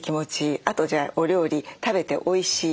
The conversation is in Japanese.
あとじゃあお料理食べておいしい。